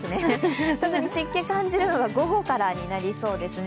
特に湿気を感じるのは午後からになりそうですね。